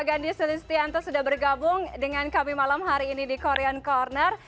gandhi sulistianto sudah bergabung dengan kami malam hari ini di korean corner